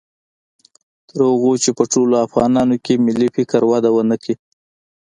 تر هغو چې په ټولو افغانانو کې ملي فکر وده و نه کړي